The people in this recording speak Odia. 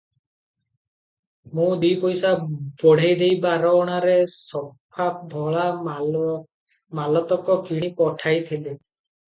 ମୁଁ ଦି ପଇସା ବଢେଇ ଦେଇ ବାର ଅଣାରେ ସଫା ଧଳା ମାଲତକ କିଣି ପଠାଇଥିଲି ।